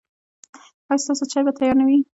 ایا ستاسو چای به تیار نه وي؟